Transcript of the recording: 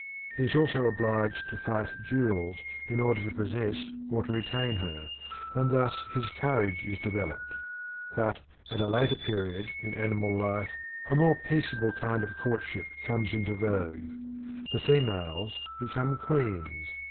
He is also obliged to fight duels in order to possess or to retain her, and thus his courage is developed. But at a later period in animal life a more peaceable kind of courtship comes into vogue. The females become queens.